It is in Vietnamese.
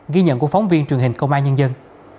ghi nhận của phóng viên truyền hình công an nhân dân